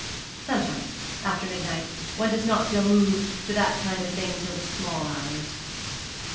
'Sometimes, after midnight. One does not feel moved to that kind of thing till the small hours.'